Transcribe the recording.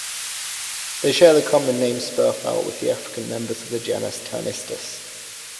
They share the common name "spurfowl" with the African members of the genus "Pternistis".